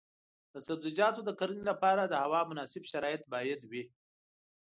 د سبزیجاتو د کرنې لپاره د هوا مناسب شرایط باید وي.